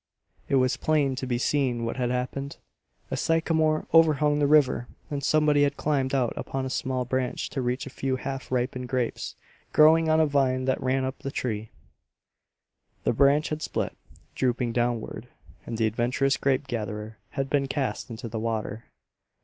It was plain to be seen what had happened. A sycamore overhung the river and somebody had climbed out upon a small branch to reach a few half ripened grapes growing on a vine that ran up the tree. The branch had split, drooping downward, and the adventurous grape gatherer had been cast into the water.